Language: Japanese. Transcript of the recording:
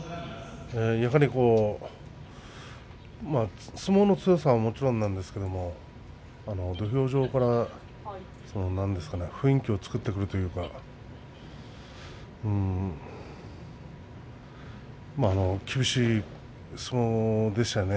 やはり相撲の強さはもちろんなんですけれど土俵上から何ですかね雰囲気を作ってくるというかうーん厳しい相撲でしたよね。